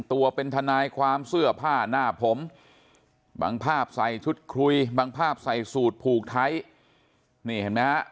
ตัวเป็นทนายความเสื้อผ้าหน้าผมบางภาพใส่ชุดคุยบางภาพใส่สูตรพูกไทย